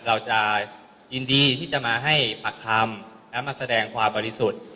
เราจะยินดีที่จะมาให้ปากคำและมาแสดงความบริสุทธิ์